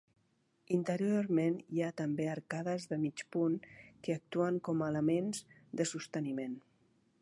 Interiorment hi ha també arcades de mig punt que actuen com a elements de sosteniment.